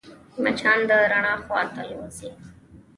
مچان د رڼا خواته الوزي